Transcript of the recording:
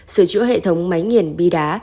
sửa chữa hệ thống máy nghiền bi đá